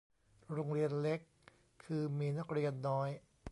โรงเรียนเล็กคือมีนักเรียนน้อย